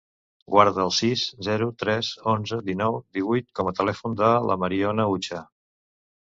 Guarda el sis, zero, tres, onze, dinou, divuit com a telèfon de la Mariona Ucha.